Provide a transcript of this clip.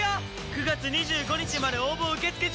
９月２５日まで応募受け付け中。